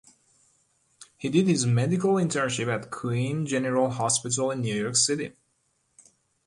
He did his medical internship at Queens General Hospital in New York City.